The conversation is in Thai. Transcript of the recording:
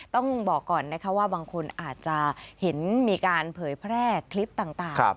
ต้องบอกก่อนนะคะว่าบางคนอาจจะเห็นมีการเผยแพร่คลิปต่าง